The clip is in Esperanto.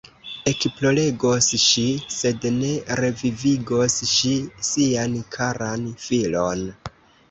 Ekploregos ŝi, sed ne revivigos ŝi sian karan filon!